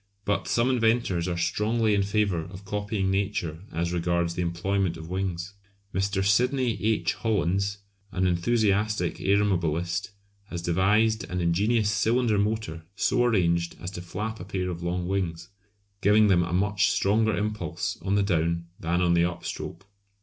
But some inventors are strongly in favour of copying Nature as regards the employment of wings. Mr. Sydney H. Hollands, an enthusiastic aeromobilist, has devised an ingenious cylinder motor so arranged as to flap a pair of long wings, giving them a much stronger impulse on the down than on the up stroke.